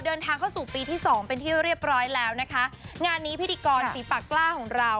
เดินทางเข้าสู่ปีที่สองเป็นที่เรียบร้อยแล้วนะคะงานนี้พิธีกรฝีปากกล้าของเรา